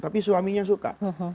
tapi suaminya suka